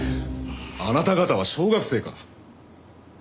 あなた方は小学生か。